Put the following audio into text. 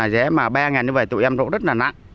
giá mà ba như vậy tụi em nổ rất là nặng